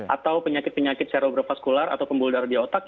atau penyakit penyakit serobrofaskular atau pembuluh darah di otak